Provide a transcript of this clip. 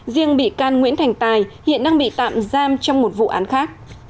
riêng bị can nguyễn thành tài hiện đang bị tạm giam trong một vụ án khác